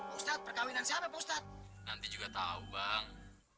ustadz perkawinan siapa ustadz nanti juga tahu bang